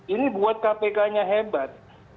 ini buat kpknya hebat